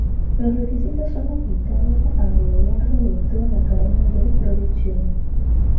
Los requisitos son aplicables a lo largo de toda la cadena de producción.